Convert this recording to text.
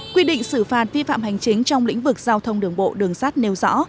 quy định xử phạt vi phạm hành chính trong lĩnh vực giao thông đường bộ đường sát nêu rõ